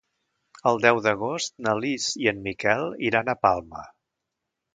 El deu d'agost na Lis i en Miquel iran a Palma.